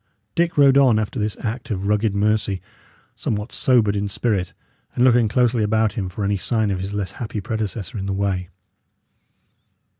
Dick rode on after this act of rugged mercy, somewhat sobered in spirit, and looking closely about him for any sign of his less happy predecessor in the way.